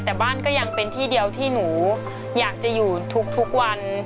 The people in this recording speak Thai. แต่บ้านก็ยังเป็นที่เดียวที่หนูอยากจะอยู่ทุกวัน